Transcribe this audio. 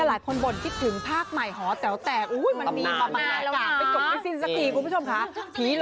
เพราะว่าอยากจะให้ทุกคนช่วยการสนับสนุนหนังไทย